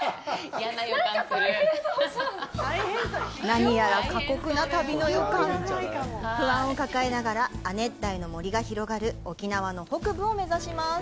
何やら過酷な旅の予感不安を抱えながら亜熱帯の森が広がる沖縄の北部を目指します